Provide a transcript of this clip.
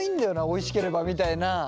おいしければみたいなところは。